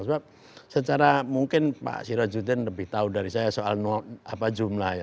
sebab secara mungkin pak sirajudin lebih tahu dari saya soal jumlahnya